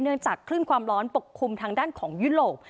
จากคลื่นความร้อนปกคลุมทางด้านของยุโรป